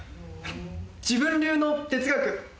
自分流の哲学。